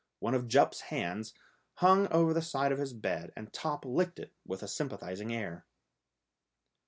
One of Jup's hands hung over the side of his bed, and Top licked it with a sympathising air.